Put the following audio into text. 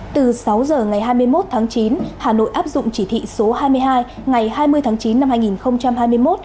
từ sáu giờ ngày hai mươi một tháng chín hà nội áp dụng chỉ thị số hai mươi hai ngày hai mươi tháng chín năm hai nghìn hai mươi một